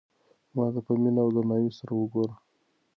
ما ته په مینه او درناوي سره وگوره.